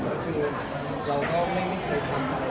ก็ให้อะไรหนึ่งเราดูได้ประมาณนั้น